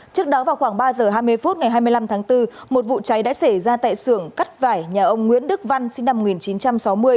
trước đó vào khoảng ba h hai mươi phút ngày hai mươi năm tháng bốn một vụ cháy đã xảy ra tại sưởng cắt vải nhà ông nguyễn đức văn sinh năm một nghìn chín trăm sáu mươi